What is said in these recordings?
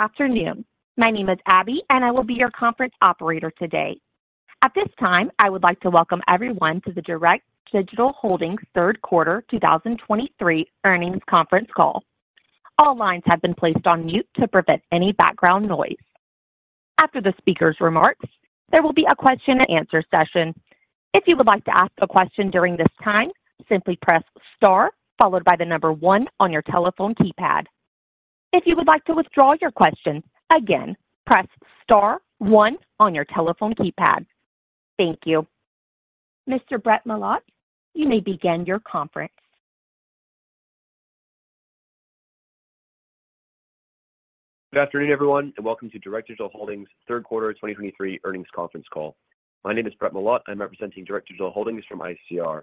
Good afternoon. My name is Abby, and I will be your conference operator today. At this time, I would like to welcome everyone to the Direct Digital Holdings third quarter 2023 earnings conference call. All lines have been placed on mute to prevent any background noise. After the speaker's remarks, there will be a question-and-answer session. If you would like to ask a question during this time, simply press star followed by the number one on your telephone keypad. If you would like to withdraw your question, again, press star one on your telephone keypad. Thank you. Mr. Brett Milotte, you may begin your conference. Good afternoon, everyone, and welcome to Direct Digital Holdings third quarter 2023 earnings conference call. My name is Brett Milotte. I'm representing Direct Digital Holdings from ICR.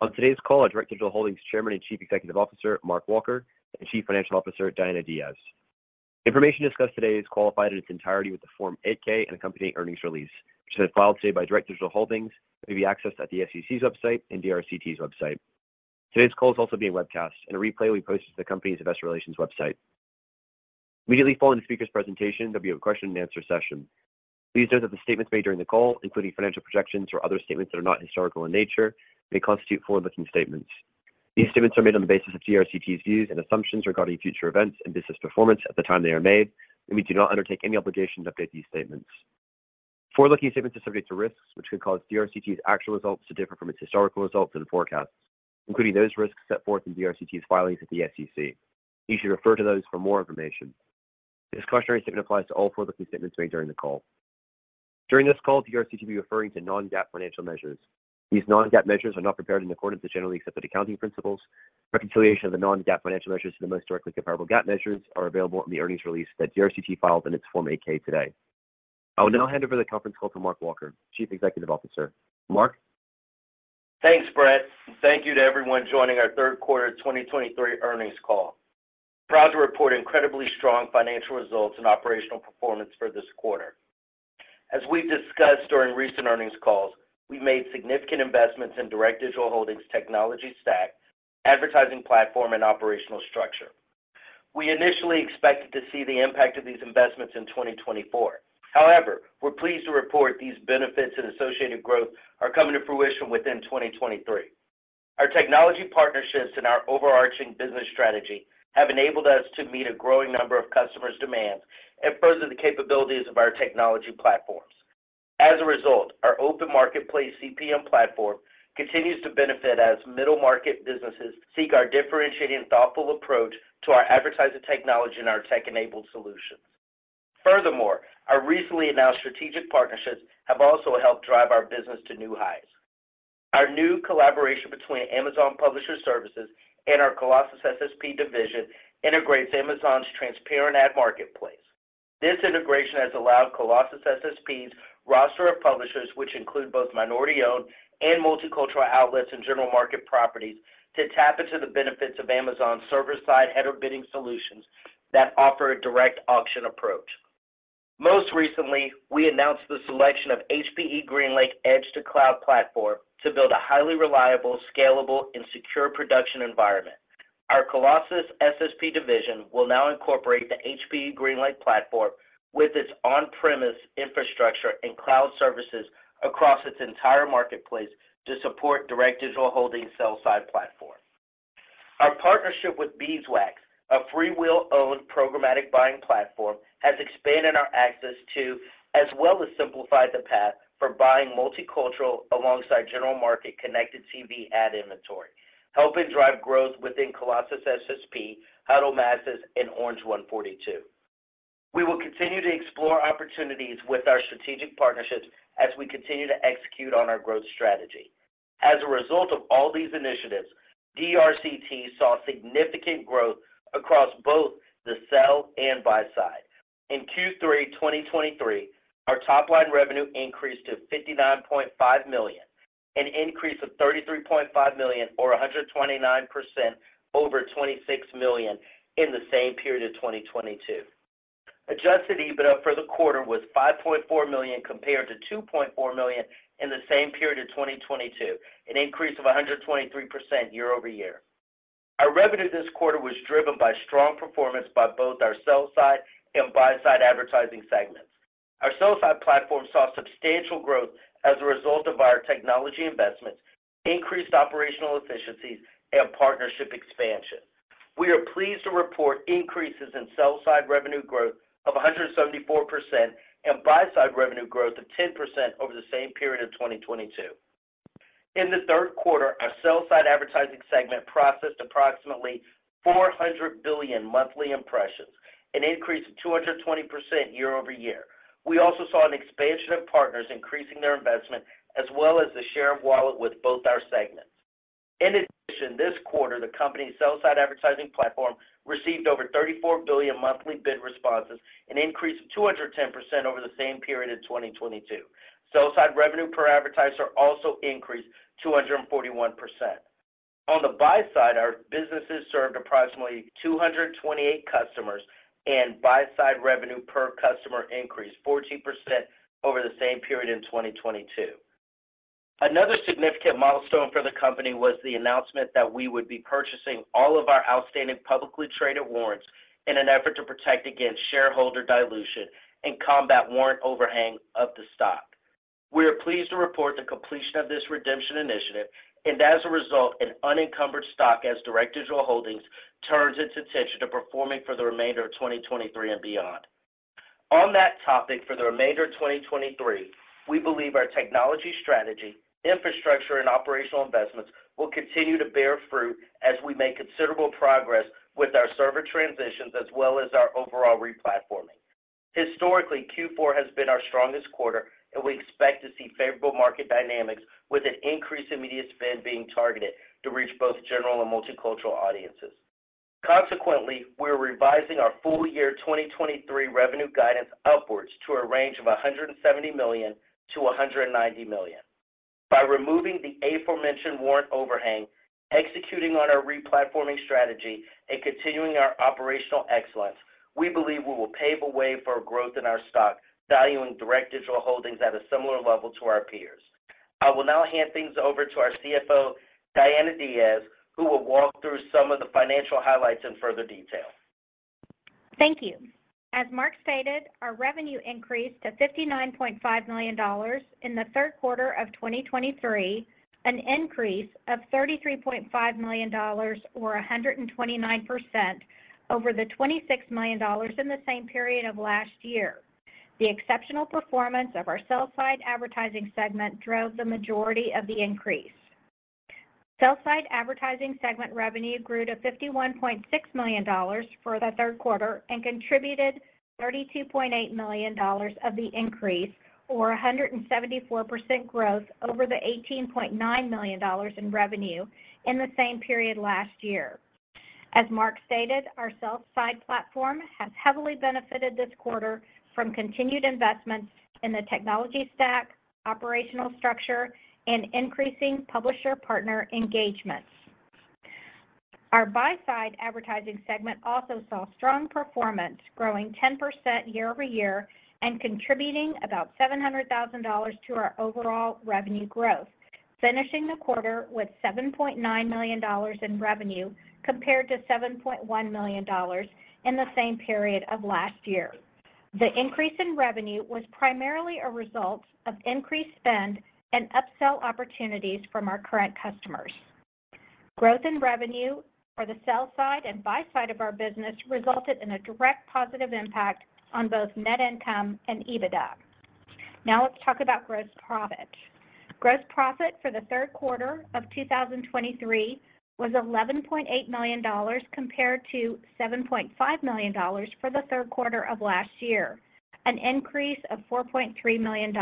On today's call are Direct Digital Holdings Chairman and Chief Executive Officer, Mark Walker, and Chief Financial Officer, Diana Diaz. Information discussed today is qualified in its entirety with the Form 8-K and accompanying earnings release, which has been filed today by Direct Digital Holdings, may be accessed at the SEC's website and DRCT's website. Today's call is also being webcast, and a replay will be posted to the company's Investor Relations website. Immediately following the speaker's presentation, there'll be a question-and-answer session. Please note that the statements made during the call, including financial projections or other statements that are not historical in nature, may constitute forward-looking statements. These statements are made on the basis of DRCT's views and assumptions regarding future events and business performance at the time they are made, and we do not undertake any obligation to update these statements. Forward-looking statements are subject to risks which could cause DRCT's actual results to differ from its historical results and forecasts, including those risks set forth in DRCT's filings with the SEC. You should refer to those for more information. This cautionary statement applies to all forward-looking statements made during the call. During this call, DRCT will be referring to non-GAAP financial measures. These non-GAAP measures are not prepared in accordance with generally accepted accounting principles. Reconciliation of the non-GAAP financial measures to the most directly comparable GAAP measures are available in the earnings release that DRCT filed in its Form 8-K today. I will now hand over the conference call to Mark Walker, Chief Executive Officer. Mark? Thanks, Brett, and thank you to everyone joining our third quarter 2023 earnings call. Proud to report incredibly strong financial results and operational performance for this quarter. As we've discussed during recent earnings calls, we made significant investments in Direct Digital Holdings technology stack, advertising platform, and operational structure. We initially expected to see the impact of these investments in 2024. However, we're pleased to report these benefits and associated growth are coming to fruition within 2023. Our technology partnerships and our overarching business strategy have enabled us to meet a growing number of customers' demands and further the capabilities of our technology platforms. As a result, our open marketplace CPM platform continues to benefit as middle-market businesses seek our differentiating, thoughtful approach to our advertising technology and our tech-enabled solutions. Furthermore, our recently announced strategic partnerships have also helped drive our business to new highs. Our new collaboration between Amazon Publisher Services and our Colossus SSP division integrates Amazon's Transparent Ad Marketplace. This integration has allowed Colossus SSP's roster of publishers, which include both minority-owned and multicultural outlets and general market properties, to tap into the benefits of Amazon's server-side header bidding solutions that offer a direct auction approach. Most recently, we announced the selection of HPE GreenLake edge-to-cloud platform to build a highly reliable, scalable, and secure production environment. Our Colossus SSP division will now incorporate the HPE GreenLake platform with its on-premise infrastructure and cloud services across its entire marketplace to support Direct Digital Holdings' sell-side platform. Our partnership with Beeswax, a FreeWheel-owned programmatic buying platform, has expanded our access to, as well as simplified the path for buying multicultural alongside general market Connected TV ad inventory, helping drive growth within Colossus SSP, Huddled Masses, and Orange142. We will continue to explore opportunities with our strategic partnerships as we continue to execute on our growth strategy. As a result of all these initiatives, DRCT saw significant growth across both the sell and buy side. In Q3 2023, our top-line revenue increased to $59.5 million, an increase of $33.5 million, or 129% over $26 million in the same period of 2022. Adjusted EBITDA for the quarter was $5.4 million compared to $2.4 million in the same period of 2022, an increase of 123% year-over-year. Our revenue this quarter was driven by strong performance by both our sell-side and buy-side advertising segments. Our sell-side platform saw substantial growth as a result of our technology investments, increased operational efficiencies, and partnership expansion. We are pleased to report increases in sell-side revenue growth of 174% and buy-side revenue growth of 10% over the same period of 2022. In the third quarter, our sell-side advertising segment processed approximately 400 billion monthly impressions, an increase of 220% year-over-year. We also saw an expansion of partners increasing their investment, as well as the share of wallet with both our segments. In addition, this quarter, the company's sell-side advertising platform received over 34 billion monthly bid responses, an increase of 210% over the same period in 2022. Sell-side revenue per advertiser also increased 241%. On the buy-side, our businesses served approximately 228 customers, and buy-side revenue per customer increased 14% over the same period in 2022. Another significant milestone for the company was the announcement that we would be purchasing all of our outstanding publicly traded warrants in an effort to protect against shareholder dilution and combat warrant overhang of the stock. We are pleased to report the completion of this redemption initiative, and as a result, an unencumbered stock as Direct Digital Holdings turns its attention to performing for the remainder of 2023 and beyond. On that topic, for the remainder of 2023, we believe our technology strategy, infrastructure, and operational investments will continue to bear fruit as we make considerable progress with our server transitions as well as our overall replatforming. Historically, Q4 has been our strongest quarter, and we expect to see favorable market dynamics with an increase in media spend being targeted to reach both general and multicultural audiences. Consequently, we are revising our full-year 2023 revenue guidance upwards to a range of $170 million-$190 million. By removing the aforementioned warrant overhang, executing on our replatforming strategy, and continuing our operational excellence, we believe we will pave a way for growth in our stock, valuing Direct Digital Holdings at a similar level to our peers. I will now hand things over to our CFO, Diana Diaz, who will walk through some of the financial highlights in further detail. Thank you. As Mark stated, our revenue increased to $59.5 million in the third quarter of 2023, an increase of $33.5 million, or 129% over the $26 million in the same period of last year. The exceptional performance of our sell-side advertising segment drove the majority of the increase. Sell-side advertising segment revenue grew to $51.6 million for the third quarter and contributed $32.8 million of the increase, or 174% growth over the $18.9 million in revenue in the same period last year. As Mark stated, our sell-side platform has heavily benefited this quarter from continued investments in the technology stack, operational structure, and increasing publisher-partner engagements. Our buy-side advertising segment also saw strong performance, growing 10% year-over-year and contributing about $700,000 to our overall revenue growth, finishing the quarter with $7.9 million in revenue compared to $7.1 million in the same period of last year. The increase in revenue was primarily a result of increased spend and upsell opportunities from our current customers. Growth in revenue for the sell-side and buy-side of our business resulted in a direct positive impact on both net income and EBITDA. Now let's talk about gross profit. Gross profit for the third quarter of 2023 was $11.8 million, compared to $7.5 million for the third quarter of last year, an increase of $4.3 million.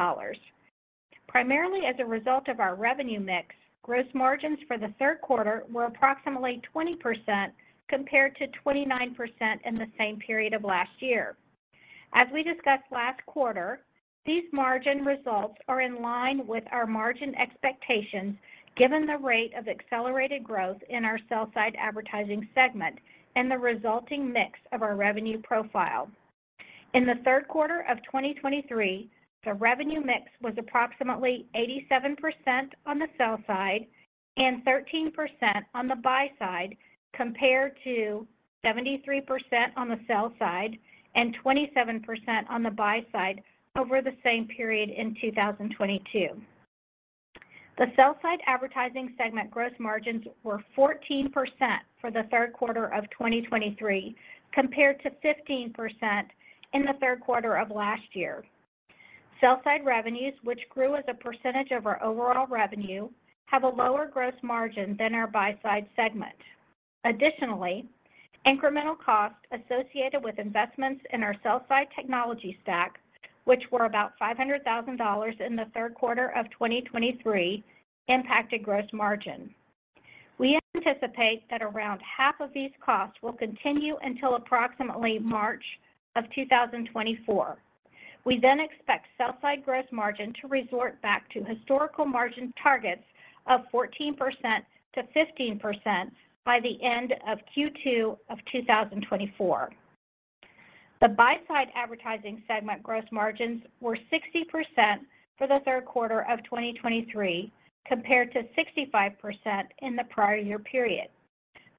Primarily as a result of our revenue mix, gross margins for the third quarter were approximately 20%, compared to 29% in the same period of last year. As we discussed last quarter, these margin results are in line with our margin expectations, given the rate of accelerated growth in our sell-side advertising segment and the resulting mix of our revenue profile. In the third quarter of 2023, the revenue mix was approximately 87% on the sell-side and 13% on the buy-side, compared to 73% on the sell-side and 27% on the buy-side over the same period in 2022. The sell-side advertising segment gross margins were 14% for the third quarter of 2023, compared to 15% in the third quarter of last year. Sell-side revenues, which grew as a percentage of our overall revenue, have a lower gross margin than our buy-side segment. Additionally, incremental costs associated with investments in our sell-side technology stack, which were about $500,000 in the third quarter of 2023, impacted gross margin. We anticipate that around half of these costs will continue until approximately March of 2024. We then expect sell-side gross margin to resort back to historical margin targets of 14%-15% by the end of Q2 of 2024. The buy-side advertising segment gross margins were 60% for the third quarter of 2023, compared to 65% in the prior year period.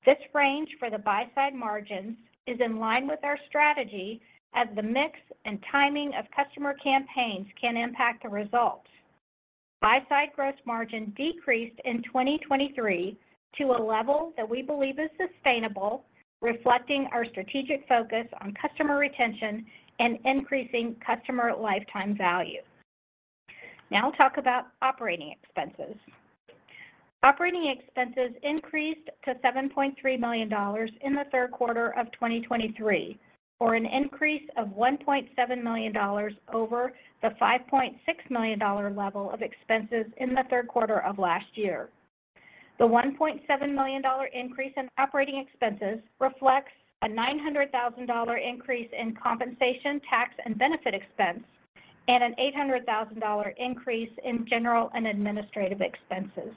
This range for the buy-side margins is in line with our strategy, as the mix and timing of customer campaigns can impact the results. Buy-side gross margin decreased in 2023 to a level that we believe is sustainable, reflecting our strategic focus on customer retention and increasing customer lifetime value. Now talk about operating expenses. Operating expenses increased to $7.3 million in the third quarter of 2023, or an increase of $1.7 million over the $5.6 million level of expenses in the third quarter of last year. The $1.7 million increase in operating expenses reflects a $900,000 increase in compensation, tax, and benefit expense, and an $800,000 increase in general and administrative expenses.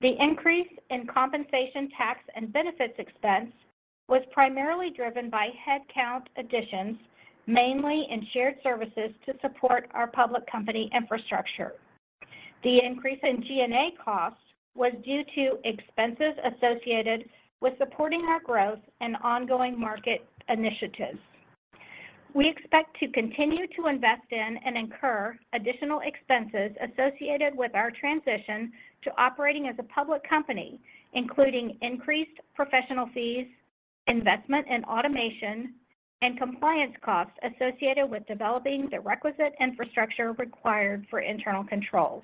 The increase in compensation, tax, and benefits expense was primarily driven by headcount additions, mainly in shared services to support our public company infrastructure. The increase in G&A costs was due to expenses associated with supporting our growth and ongoing market initiatives. We expect to continue to invest in and incur additional expenses associated with our transition to operating as a public company, including increased professional fees, investment in automation, and compliance costs associated with developing the requisite infrastructure required for internal controls.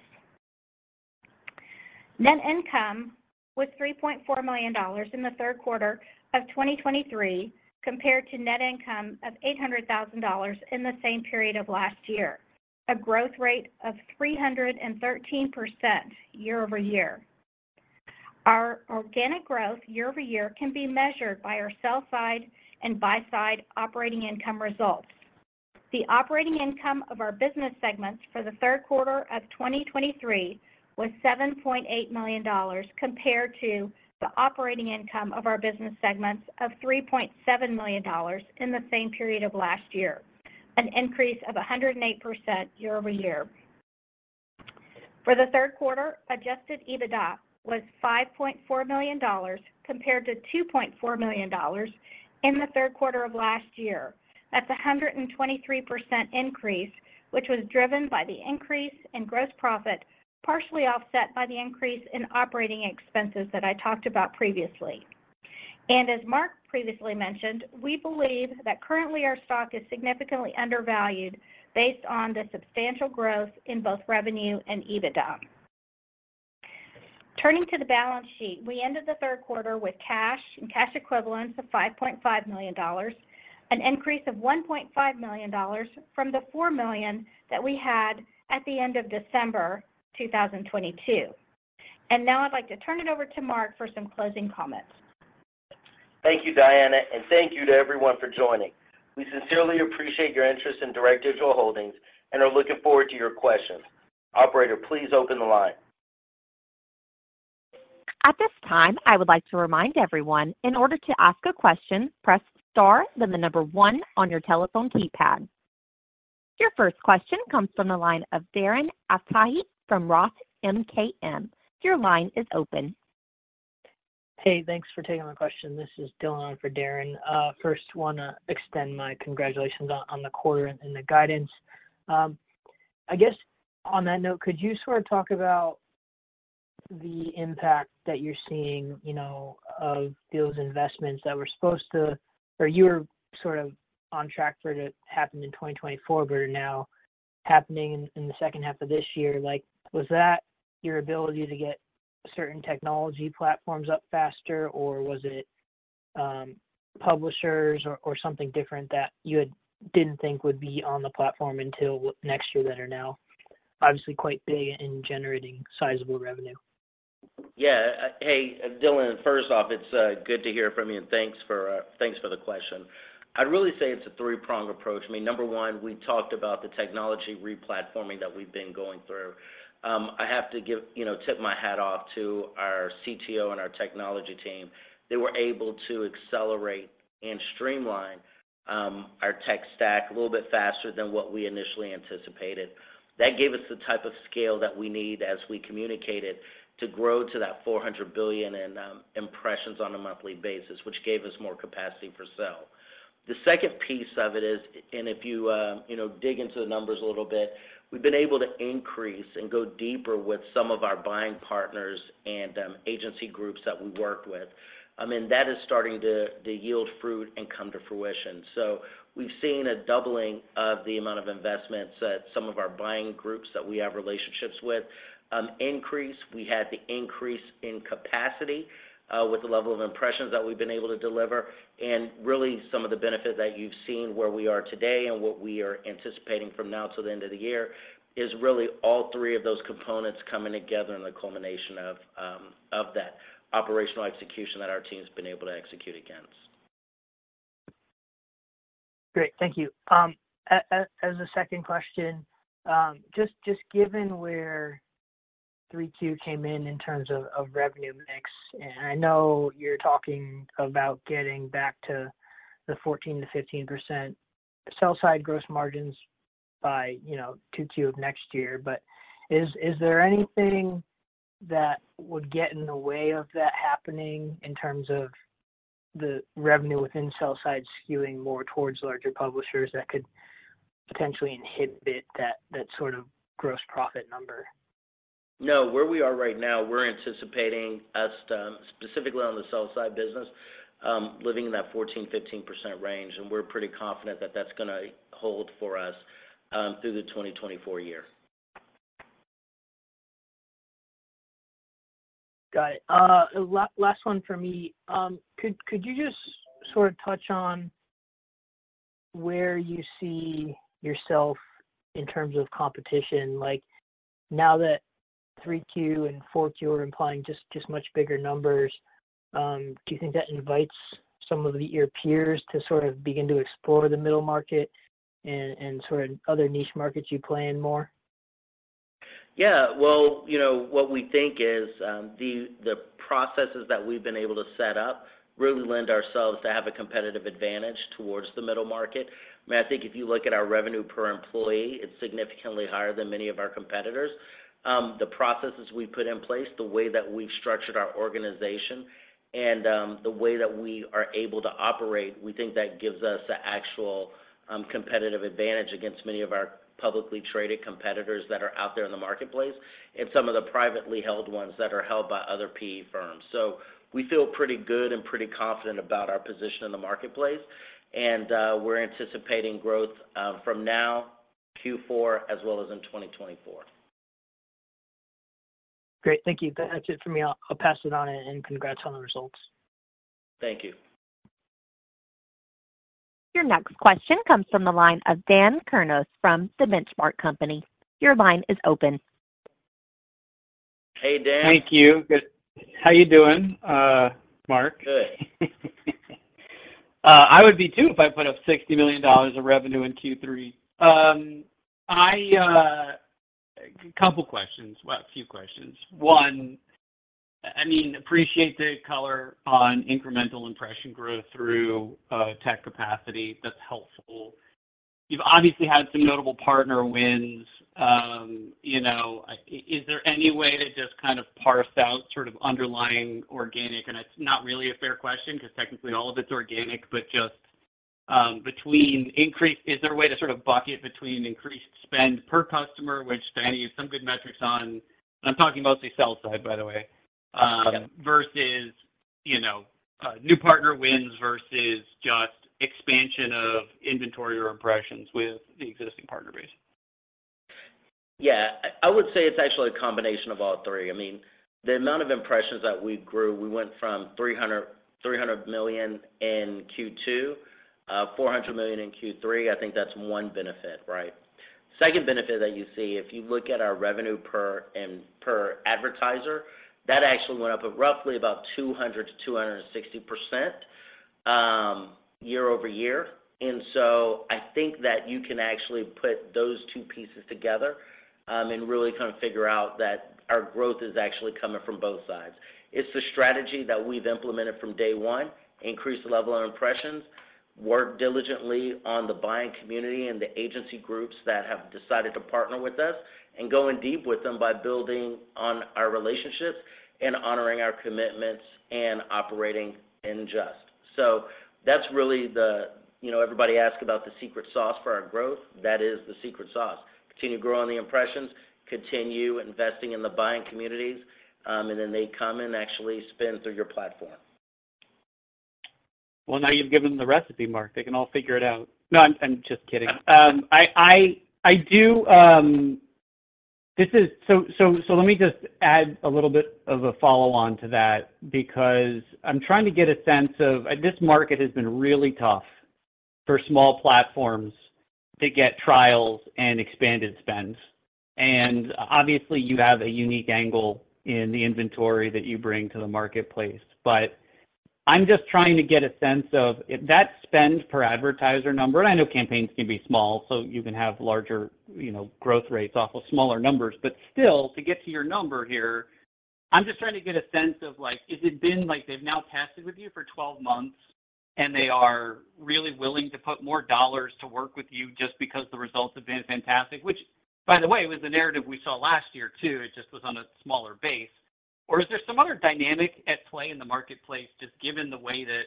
Net income was $3.4 million in the third quarter of 2023, compared to net income of $800,000 in the same period of last year, a growth rate of 313% year-over-year. Our organic growth year-over-year can be measured by our sell-side and buy-side operating income results. The operating income of our business segments for the third quarter of 2023 was $7.8 million, compared to the operating income of our business segments of $3.7 million in the same period of last year, an increase of 108% year-over-year. For the third quarter, Adjusted EBITDA was $5.4 million, compared to $2.4 million in the third quarter of last year. That's a 123% increase, which was driven by the increase in gross profit, partially offset by the increase in operating expenses that I talked about previously. And as Mark previously mentioned, we believe that currently our stock is significantly undervalued based on the substantial growth in both revenue and EBITDA. Turning to the balance sheet, we ended the third quarter with cash and cash equivalents of $5.5 million, an increase of $1.5 million from the $4 million that we had at the end of December 2022. Now I'd like to turn it over to Mark for some closing comments. Thank you, Diana, and thank you to everyone for joining. We sincerely appreciate your interest in Direct Digital Holdings and are looking forward to your questions. Operator, please open the line. At this time, I would like to remind everyone, in order to ask a question, press star, then the number one on your telephone keypad. Your first question comes from the line of Darren Aftahi from Roth MKM. Your line is open. Hey, thanks for taking my question. This is Dillon for Darren. First, I wanna extend my congratulations on the quarter and the guidance. I guess on that note, could you sort of talk about the impact that you're seeing, you know, of those investments that were supposed to, or you were sort of on track for it to happen in 2024, but are now happening in the second half of this year? Like, was that your ability to get certain technology platforms up faster, or was it publishers or something different that you had didn't think would be on the platform until next year, that are now obviously quite big in generating sizable revenue? Yeah. Hey, Dillon, first off, it's good to hear from you, and thanks for the question. I'd really say it's a three-pronged approach. I mean, number one, we talked about the technology replatforming that we've been going through. I have to give you know, tip my hat off to our CTO and our technology team. They were able to accelerate and streamline our tech stack a little bit faster than what we initially anticipated. That gave us the type of scale that we need as we communicated, to grow to that 400 billion in impressions on a monthly basis, which gave us more capacity for sell. The second piece of it is, and if you, you know, dig into the numbers a little bit, we've been able to increase and go deeper with some of our buying partners and agency groups that we work with. I mean, that is starting to yield fruit and come to fruition. So we've seen a doubling of the amount of investments that some of our buying groups that we have relationships with increase. We had the increase in capacity with the level of impressions that we've been able to deliver. And really, some of the benefits that you've seen, where we are today and what we are anticipating from now till the end of the year, is really all three of those components coming together in the culmination of that operational execution that our team's been able to execute against. Great. Thank you. As a second question, just given where 3Q came in in terms of revenue mix, and I know you're talking about getting back to the 14%-15% sell-side gross margins by, you know, 2Q of next year. But is there anything that would get in the way of that happening in terms of the revenue within sell-side skewing more towards larger publishers that could potentially inhibit that sort of gross profit number? No. Where we are right now, we're anticipating us, specifically on the sell-side business, living in that 14%-15% range, and we're pretty confident that that's gonna hold for us, through the 2024 year. Got it. Last one for me. Could you just sort of touch on where you see yourself in terms of competition? Like, now that 3Q and 4Q are implying just much bigger numbers, do you think that invites some of your peers to sort of begin to explore the middle market and sort of other niche markets you play in more? Yeah. Well, you know, what we think is, the processes that we've been able to set up really lend ourselves to have a competitive advantage towards the middle market. I mean, I think if you look at our revenue per employee, it's significantly higher than many of our competitors. The processes we put in place, the way that we've structured our organization, and, the way that we are able to operate, we think that gives us a actual competitive advantage against many of our publicly traded competitors that are out there in the marketplace, and some of the privately held ones that are held by other PE firms. So we feel pretty good and pretty confident about our position in the marketplace, and, we're anticipating growth, from now, Q4, as well as in 2024. Great. Thank you. That's it for me. I'll pass it on, and congrats on the results. Thank you. Your next question comes from the line of Dan Kurnos from The Benchmark Company. Your line is open. Hey, Dan. Thank you. Good. How you doing, Mark? Good. I would be too, if I put up $60 million of revenue in Q3. A couple questions, well, a few questions. One, I mean, appreciate the color on incremental impression growth through tech capacity. That's helpful. You've obviously had some notable partner wins. You know, is there any way to just kind of parse out sort of underlying organic? And it's not really a fair question, 'cause technically, all of it's organic, but just, Is there a way to sort of bucket between increased spend per customer, which Diana has some good metrics on, and I'm talking mostly sell-side, by the way. Got it. Versus, you know, new partner wins, versus just expansion of inventory or impressions with the existing partner base? Yeah. I would say it's actually a combination of all three. I mean, the amount of impressions that we grew, we went from 300 million in Q2 to 400 million in Q3. I think that's one benefit, right? Second benefit that you see, if you look at our revenue per advertiser, that actually went up at roughly about 200%-260%, year-over-year. And so I think that you can actually put those two pieces together, and really kind of figure out that our growth is actually coming from both sides. It's the strategy that we've implemented from day one, increase the level of impressions, work diligently on the buying community and the agency groups that have decided to partner with us, and going deep with them by building on our relationships and honoring our commitments and operating in just. So that's really the... You know, everybody asks about the secret sauce for our growth. That is the secret sauce. Continue to grow on the impressions, continue investing in the buying communities, and then they come and actually spin through your platform. Well, now you've given them the recipe, Mark. They can all figure it out. No, I'm just kidding. This is—so let me just add a little bit of a follow-on to that, because I'm trying to get a sense of... This market has been really tough for small platforms to get trials and expanded spends. And obviously, you have a unique angle in the inventory that you bring to the marketplace. But I'm just trying to get a sense of if that spend per advertiser number, and I know campaigns can be small, so you can have larger, you know, growth rates off of smaller numbers. But still, to get to your number here, I'm just trying to get a sense of, like, has it been like they've now tested with you for 12 months, and they are really willing to put more dollars to work with you just because the results have been fantastic? Which, by the way, was the narrative we saw last year, too, it just was on a smaller base. Or is there some other dynamic at play in the marketplace, just given the way that,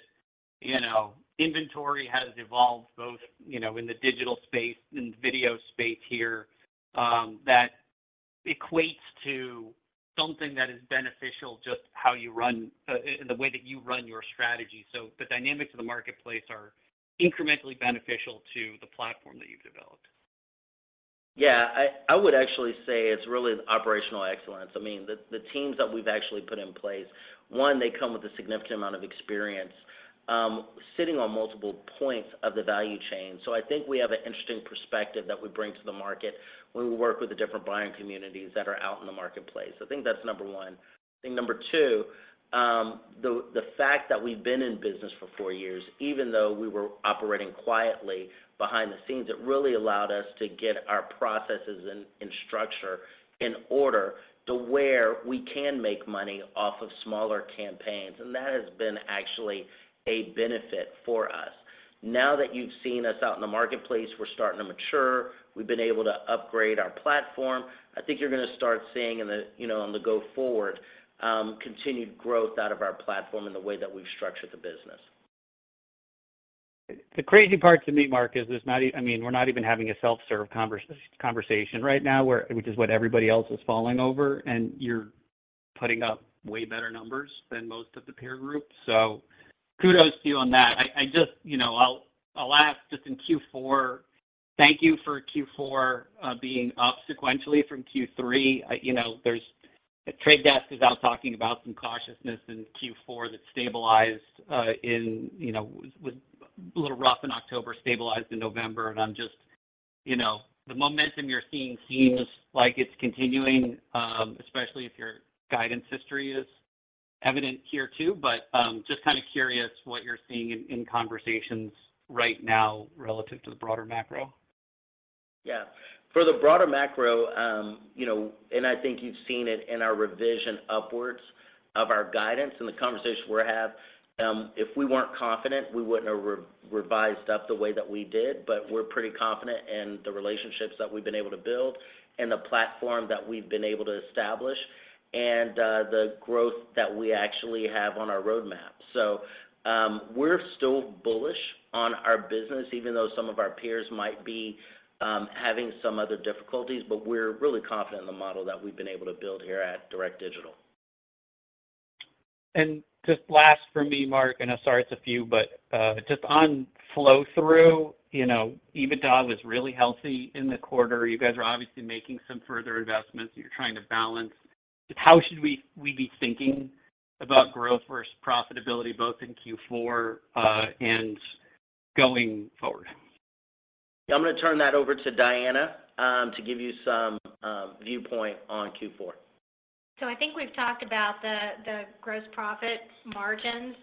you know, inventory has evolved, both, you know, in the digital space and video space here, that equates to something that is beneficial, just how you run, and the way that you run your strategy. So the dynamics of the marketplace are incrementally beneficial to the platform that you've developed? Yeah. I would actually say it's really the operational excellence. I mean, the teams that we've actually put in place, one, they come with a significant amount of experience, sitting on multiple points of the value chain. So I think we have an interesting perspective that we bring to the market when we work with the different buying communities that are out in the marketplace. I think that's number one. I think number two, the fact that we've been in business for four years, even though we were operating quietly behind the scenes, it really allowed us to get our processes and structure in order to where we can make money off of smaller campaigns, and that has been actually a benefit for us. Now that you've seen us out in the marketplace, we're starting to mature. We've been able to upgrade our platform. I think you're gonna start seeing in the, you know, on the go forward, continued growth out of our platform and the way that we've structured the business. The crazy part to me, Mark, is there's not even—I mean, we're not even having a self-serve conversation right now, which is what everybody else is falling over, and you're putting up way better numbers than most of the peer groups. So kudos to you on that. I just, you know, I'll ask just in Q4... Thank you for Q4, being up sequentially from Q3. You know, there's, The Trade Desk is out talking about some cautiousness in Q4 that stabilized, in, you know, a little rough in October, stabilized in November. And I'm just, you know, the momentum you're seeing seems like it's continuing, especially if your guidance history is evident here, too, but, just kind of curious what you're seeing in conversations right now relative to the broader macro? Yeah. For the broader macro, you know, and I think you've seen it in our revision upwards of our guidance and the conversations we're having, if we weren't confident, we wouldn't have revised up the way that we did. But we're pretty confident in the relationships that we've been able to build and the platform that we've been able to establish, and the growth that we actually have on our roadmap. So, we're still bullish on our business, even though some of our peers might be having some other difficulties, but we're really confident in the model that we've been able to build here at Direct Digital. Just last for me, Mark, and I'm sorry it's a few, but just on flow-through, you know, EBITDA was really healthy in the quarter. You guys are obviously making some further investments, and you're trying to balance. Just how should we be thinking about growth versus profitability, both in Q4 and going forward? I'm gonna turn that over to Diana, to give you some viewpoint on Q4. So I think we've talked about the gross profit margins,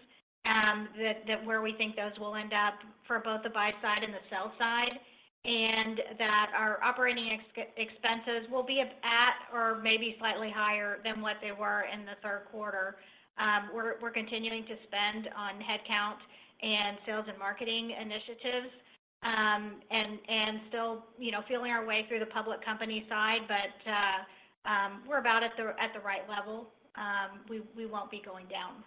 that where we think those will end up for both the buy-side and the sell-side, and that our operating expenses will be at or maybe slightly higher than what they were in the third quarter. We're continuing to spend on headcount and sales and marketing initiatives, and still, you know, feeling our way through the public company side, but we're about at the right level. We won't be going down.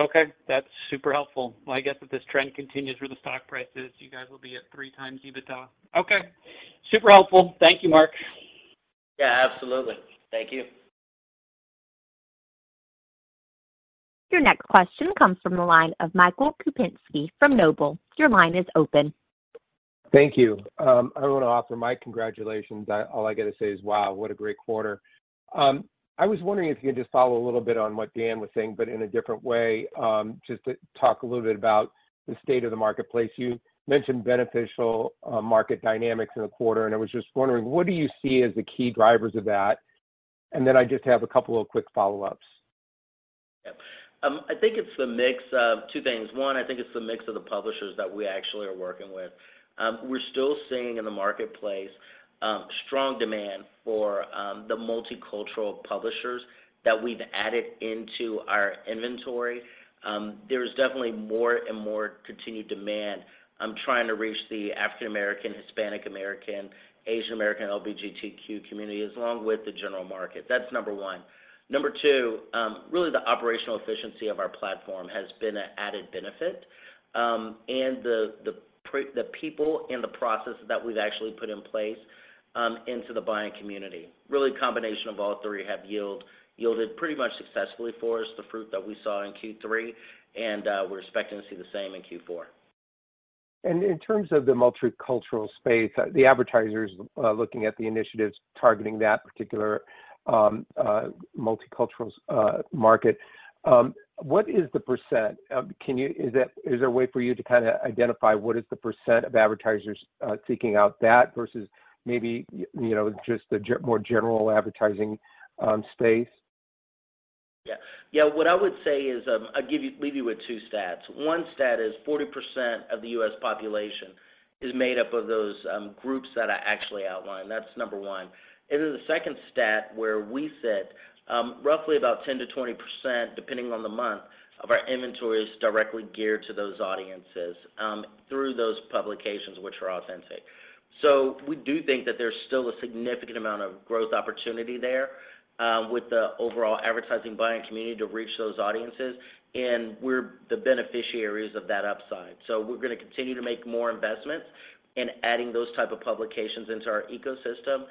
Okay, that's super helpful. Well, I guess if this trend continues where the stock price is, you guys will be at 3x EBITDA. Okay, super helpful. Thank you, Mark. Yeah, absolutely. Thank you. Your next question comes from the line of Michael Kupinski from Noble. Your line is open. Thank you. I want to offer my congratulations. All I got to say is, wow, what a great quarter! I was wondering if you could just follow a little bit on what Dan was saying, but in a different way, just to talk a little bit about the state of the marketplace. You mentioned beneficial market dynamics in the quarter, and I was just wondering, what do you see as the key drivers of that? And then I just have a couple of quick follow-ups. Yep. I think it's the mix of two things. One, I think it's the mix of the publishers that we actually are working with. We're still seeing in the marketplace strong demand for the multicultural publishers that we've added into our inventory. There is definitely more and more continued demand. I'm trying to reach the African American, Hispanic American, Asian American, LGBTQ community, along with the general market. That's number one. Number two, really, the operational efficiency of our platform has been an added benefit, and the people and the processes that we've actually put in place into the buying community. Really, a combination of all three have yielded pretty much successfully for us, the fruit that we saw in Q3, and we're expecting to see the same in Q4. In terms of the multicultural space, the advertisers looking at the initiatives targeting that particular multicultural market, what is the percent? Is there a way for you to kinda identify what is the percent of advertisers seeking out that versus maybe, you know, just the more general advertising space? Yeah. Yeah, what I would say is, I'll leave you with two stats. One stat is 40% of the U.S. population is made up of those groups that I actually outlined. That's number one. And then the second stat, where we said, roughly about 10%-20%, depending on the month, of our inventory is directly geared to those audiences through those publications which are authentic. So we do think that there's still a significant amount of growth opportunity there with the overall advertising buying community to reach those audiences, and we're the beneficiaries of that upside. So we're gonna continue to make more investments in adding those type of publications into our ecosystem.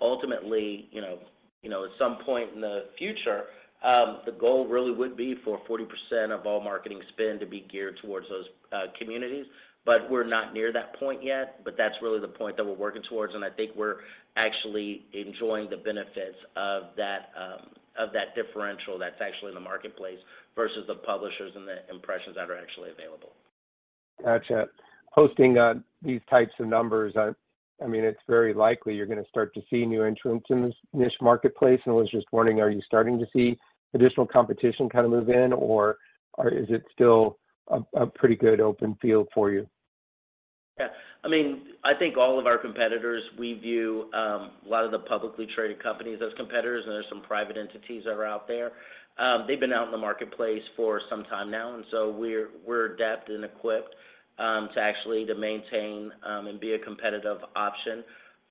Ultimately, you know, you know, at some point in the future, the goal really would be for 40% of all marketing spend to be geared towards those communities, but we're not near that point yet, but that's really the point that we're working towards, and I think we're actually enjoying the benefits of that, of that differential that's actually in the marketplace versus the publishers and the impressions that are actually available. Gotcha. Posting these types of numbers, I mean, it's very likely you're gonna start to see new entrants in this niche marketplace, and I was just wondering, are you starting to see additional competition kind of move in, or is it still a pretty good open field for you? Yeah. I mean, I think all of our competitors, we view a lot of the publicly traded companies as competitors, and there's some private entities that are out there. They've been out in the marketplace for some time now, and so we're adept and equipped to actually to maintain and be a competitive option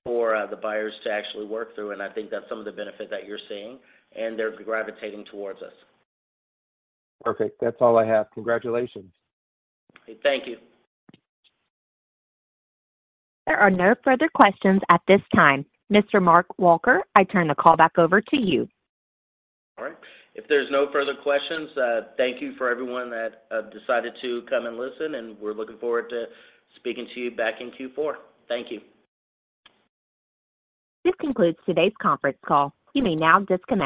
for the buyers to actually work through, and I think that's some of the benefit that you're seeing, and they're gravitating towards us. Perfect. That's all I have. Congratulations. Thank you. There are no further questions at this time. Mr. Mark Walker, I turn the call back over to you. All right. If there's no further questions, thank you for everyone that decided to come and listen, and we're looking forward to speaking to you back in Q4. Thank you. This concludes today's conference call. You may now disconnect.